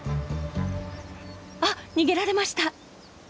あっ逃げられました！